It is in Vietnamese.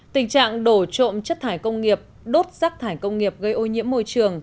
tình trạng đổ trộm chất thải công nghiệp đốt rác thải công nghiệp gây ô nhiễm môi trường